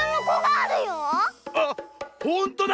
あっほんとだ！